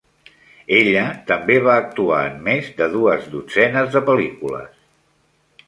Ella també va actuar en més de dues dotzenes de pel·lícules.